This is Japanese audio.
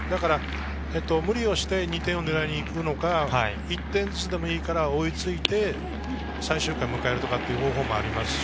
無理をして２点を狙いにいくのか、１点ずつでもいいから追いついて、最終回を迎える方法もあります。